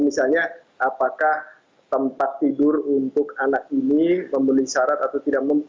misalnya apakah tempat tidur untuk anak ini memenuhi syarat atau tidak